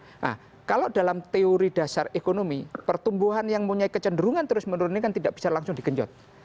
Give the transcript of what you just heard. nah kalau dalam teori dasar ekonomi pertumbuhan yang punya kecenderungan terus menurun ini kan tidak bisa langsung digenjot